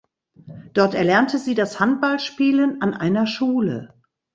Dort erlernte sie das Handballspielen an einer Schule.